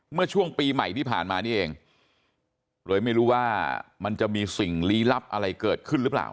เมื่อช่วงปีใหม่ที่ผ่านมานี่เองเลยไม่รู้ว่ามันจะมีสิ่งลี้ลับอะไรเกิดขึ้นหรือเปล่า